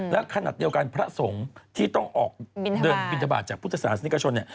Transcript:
และขณะเดียวกันพระสงฆ์ที่ต้องออกเดินบินทบาทจากพุทธศาสนิกชนเนี่ย